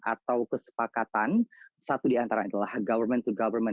atau kesepakatan satu di antara adalah government to government